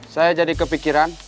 saya jadi kepikiran